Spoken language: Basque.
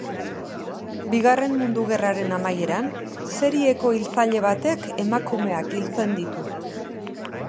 Bigarren Mundu Gerraren amaieran, serieko hiltzaile batek emakumeak hiltzen ditu.